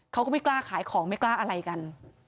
เขาก็ไม่กล้าขายของไม่กล้าอะไรกัน